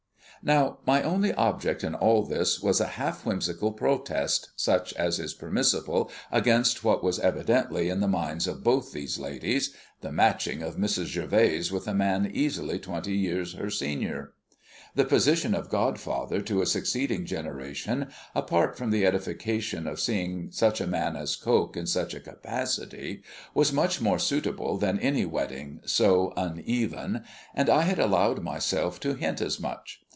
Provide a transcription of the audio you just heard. Now, my only object in all this was a half whimsical protest, such as is permissible against what was evidently in the minds of both these ladies the matching of Mrs. Gervase with a man easily twenty years her senior. The position of godfather to a succeeding generation, apart from the edification of seeing such a man as Coke in such a capacity, was much more suitable than any wedding so uneven, and I had allowed myself to hint as much.